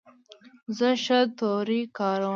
زه ښه توري کاروم.